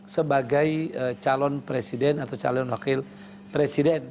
sebagai calon presiden atau calon wakil presiden